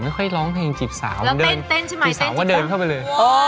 ไม่ค่อยร้องเพลงจีบสาวสาวมันเชื่อช่ำชักเดินเข้าไปเลย